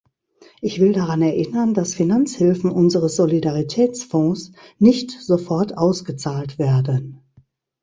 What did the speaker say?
Ich will daran erinnern, dass Finanzhilfen unseres Solidaritätsfonds nicht sofort ausgezahlt werden.